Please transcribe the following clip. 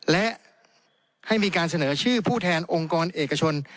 และให้มีการเสนอชื่อผู้แทนองค์กรเอกชน